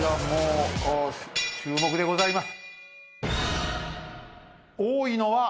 注目でございます。